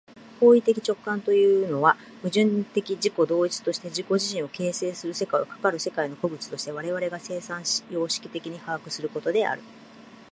行為的直観というのは、矛盾的自己同一として自己自身を形成する世界を、かかる世界の個物として我々が生産様式的に把握することである。